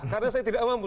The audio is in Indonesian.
karena saya tidak mampu